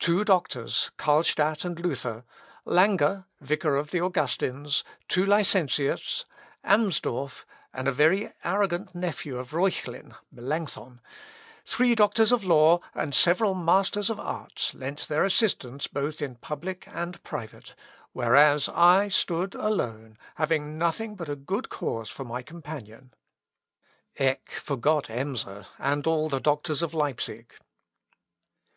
Two doctors, (Carlstadt and Luther,) Lange, vicar of the Augustins, two licentiates, Amsdorff, and a very arrogant nephew of Reuchlin, (Melancthon,) three doctors of law, and several masters of arts, lent their assistance both in public and private, whereas I stood alone, having nothing but a good cause for my companion." Eck forgot Emser, and all the doctors of Leipsic.